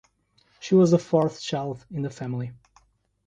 She was the fourth child in the family.